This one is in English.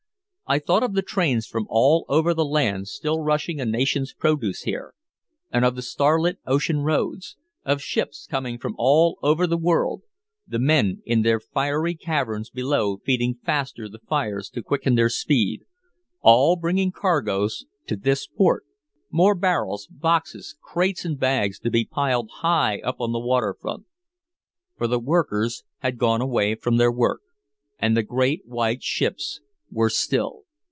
I thought of the trains from all over the land still rushing a nation's produce here, and of the starlit ocean roads, of ships coming from all over the world, the men in their fiery caverns below feeding faster the fires to quicken their speed, all bringing cargoes to this port. More barrels, boxes, crates and bags to be piled high up on the waterfront. For the workers had gone away from their work, and the great white ships were still.